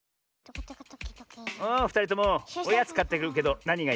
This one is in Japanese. おふたりともおやつかってくるけどなにがいい？